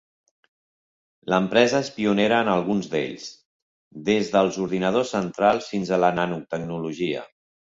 L'empresa és pionera en alguns d'ells, des dels ordinadors centrals fins a la nanotecnologia.